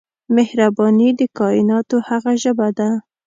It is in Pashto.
مهرباني د کائنات هغه ژبه ده.